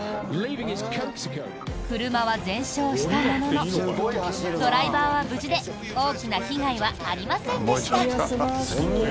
車は全焼したもののドライバーは無事で大きな被害はありませんでした。